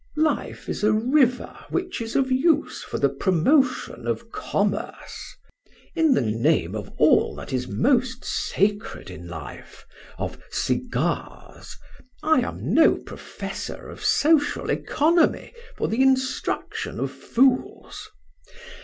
Life is a river which is of use for the promotion of commerce. In the name of all that is most sacred in life of cigars! I am no professor of social economy for the instruction of fools.